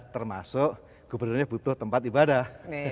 termasuk gubernurnya butuh tempat ibadah